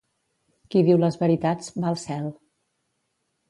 Qui diu les veritats, va al cel.